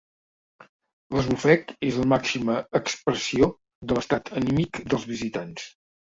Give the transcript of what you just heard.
L'esbufec és la màxima expressió de l'estat anímic dels visitants.